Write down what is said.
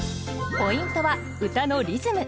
ポイントは歌のリズム。